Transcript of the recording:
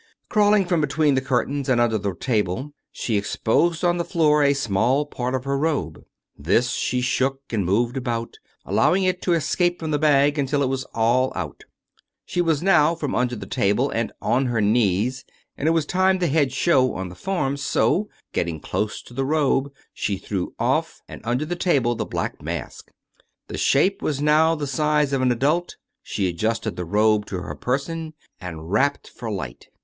Crawling from between the curtains and under the table, she exposed on the floor a small part of her robe. This she shook and moved about, allowing it to escape from the bag until it was all out She was now from under the table and on her knees, and it was time the head show on the. form, so, getting close to the robe, she threw off and under the table the black mask. The shape was now the size of an adult ; she adjusted the robe to her person, and rapped for light.